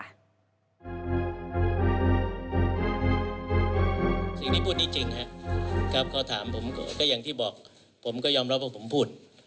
สิ่งที่พูดนี้จริงครับก็อย่างที่บอกผมก็ยอมรับว่าผมพูด